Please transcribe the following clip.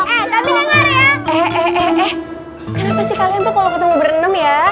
kenapa sih kalian tuh kalo ketemu berenem ya